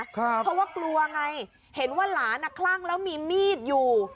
เพราะว่ากลัวไงเห็นว่าหลานคลั่งแล้วมีมีดอยู่